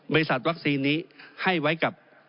บริษัทวัคซีนนี้ให้ไว้กับ